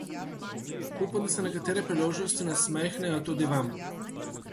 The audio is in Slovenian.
Upam, da se nekatere priložnosti nasmehnejo tudi Vam.